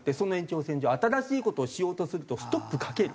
新しい事をしようとするとストップかける。